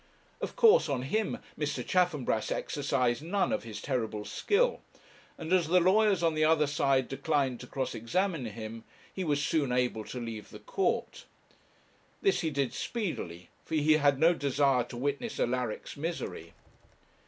Of course, on him Mr. Chaffanbrass exercised none of his terrible skill, and as the lawyers on the other side declined to cross examine him, he was soon able to leave the court. This he did speedily, for he had no desire to witness Alaric's misery.